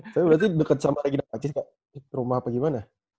tapi berarti deket sama regina pakcik kak rumah apa gimana